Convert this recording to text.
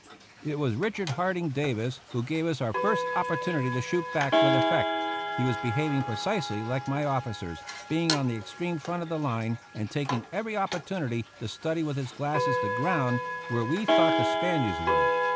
It was Richard Harding Davis who gave us our first opportunity to shoot back with effect. He was behaving precisely like my officers, being on the extreme front of the line, and taking every opportunity to study with his glasses the ground where we thought the Spaniards were.